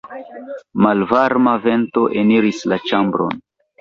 Malvarma vento eniris la ĉambron.